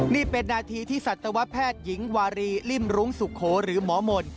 นี่เป็นนาทีที่สัตวแพทย์หญิงวารีริ่มรุ้งสุโขหรือหมอมนต์